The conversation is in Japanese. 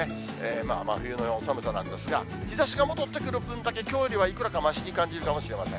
真冬の寒さなんですが、日ざしが戻ってくる分だけ、きょうよりはいくらかましに感じるかもしれません。